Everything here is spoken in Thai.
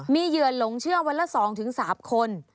มีเหยื่อหลงเชื่อวันละ๒๓คน